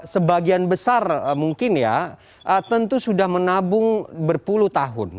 sebagian besar mungkin ya tentu sudah menabung berpuluh tahun